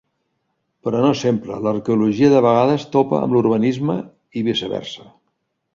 Però no sempre: l'arqueologia de vegades topa amb l'urbanisme, i viceversa.